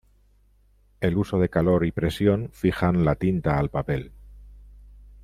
El uso de calor y presión fijan la tinta al papel.